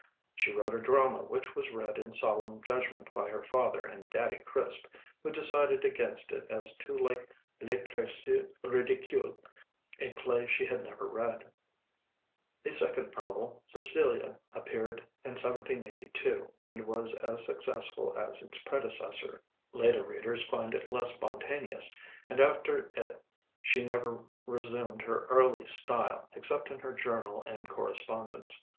She wrote a drama which was read in solemn judgment by her father and "Daddy Crisp," who decided against it as too like 'Les Précieuses Ridicules,' a play she had never read. A second novel, 'Cecilia,' appeared in 1782, and was as successful as its predecessor. Later readers find it less spontaneous, and after it she never resumed her early style except in her journal and correspondence.